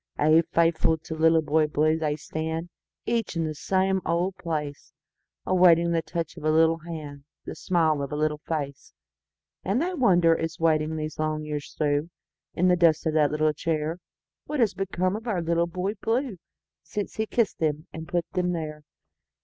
Ay, faithful to Little Boy Blue they stand, Each in the same old place, Awaiting the touch of a little hand, The smile of a little face; And they wonder, as waiting the long years throughIn the dust of that little chair, What has become of our Little Boy Blue, Since he kissed them and put them there.